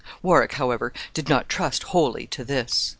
Warwick, however, did not trust wholly to this.